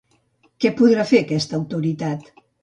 Què podrà fer aquesta autoritat?